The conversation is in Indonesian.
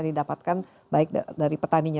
didapatkan baik dari petaninya